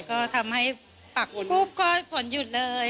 ก็ทำให้ปากภูมิก็ผ่อนหยุดเลย